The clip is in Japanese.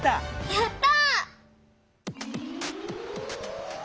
やった！